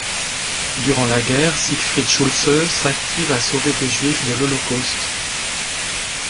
Durant la guerre, Siegfried Schultze s'active à sauver des juifs de l'holocauste.